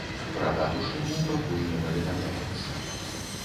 Пра дату шлюбу пакуль не паведамляецца.